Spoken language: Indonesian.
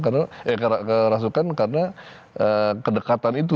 karena kerasukan karena kedekatan itu